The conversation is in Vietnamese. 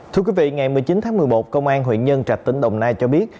thưa quý vị ngày một mươi chín tháng một mươi một công an huyện nhân trạch tỉnh đồng nai cho biết